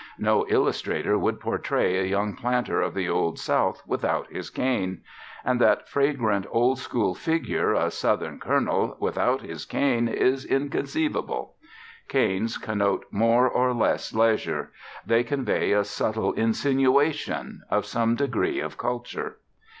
No illustrator would portray a young planter of the Old South without his cane; and that fragrant old school figure, a southern "Colonel," without his cane is inconceivable. Canes connote more or less leisure. They convey a subtle insinuation of some degree of culture.